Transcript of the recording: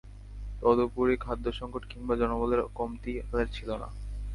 তদুপরি খাদ্যসঙ্কট কিংবা জনবলের কমতি তাদের ছিল না।